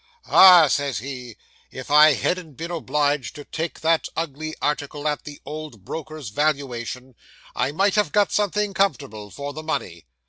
"Ah," says he, "if I hadn't been obliged to take that ugly article at the old broker's valuation, I might have got something comfortable for the money.